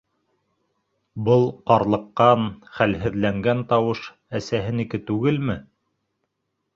Был ҡарлыҡҡан, хәлһеҙләнгән тауыш әсәһенеке түгелме?